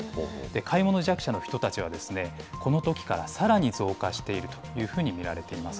買い物弱者の人たちは、このときからさらに増加しているというふうに見られています。